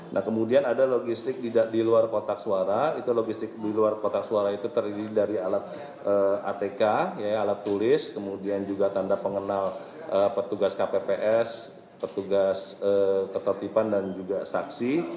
nah kemudian ada logistik di luar kotak suara itu logistik di luar kotak suara itu terdiri dari alat atk alat tulis kemudian juga tanda pengenal petugas kpps petugas ketertiban dan juga saksi